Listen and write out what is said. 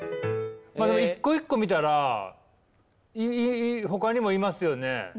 一個一個見たらほかにもいますよね。